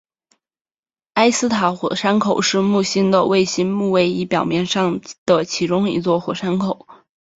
埃斯坦火山口是木星的卫星木卫一表面上的其中一座火山口。